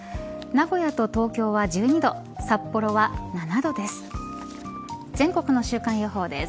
名古屋と東京は１２度札幌は７度です。